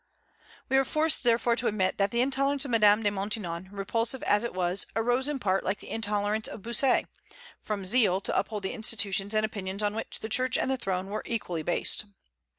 We are forced therefore to admit that the intolerance of Madame de Maintenon, repulsive as it was, arose in part, like the intolerance of Bossuet, from zeal to uphold the institutions and opinions on which the Church and the throne were equally based.